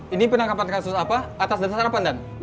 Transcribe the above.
ini penangkapan kasus apa atas dasar apa enggak